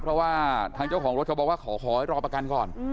เพราะว่าทางเจ้าของรถเขาบอกว่าขอให้รอประกันก่อน